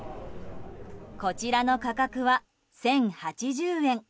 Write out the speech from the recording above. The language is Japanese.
こちらの価格は１０８０円。